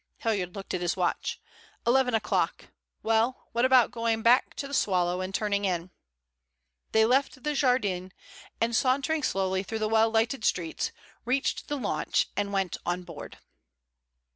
Hilliard looked at his watch. "Eleven o'clock. Well, what about going back to the Swallow and turning in?" They left the Jardin, and, sauntering slowly through the well lighted streets, reached the launch and went on board.